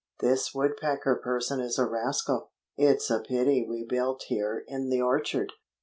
"This Woodpecker person is a rascal. It's a pity we built here in the orchard.